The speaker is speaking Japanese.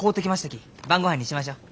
き晩ごはんにしましょう。